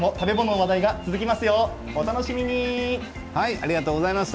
ありがとうございます。